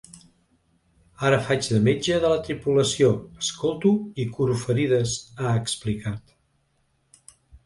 Ara faig de metge de la tripulació, escolto i curo ferides, ha explicat.